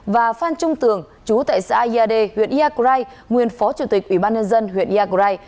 và phan trung tường chú tại xã ia de huyện ia krai nguyên phó chủ tịch ủy ban nhân dân huyện ia krai